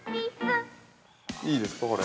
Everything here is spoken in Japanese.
◆いいですか、これ。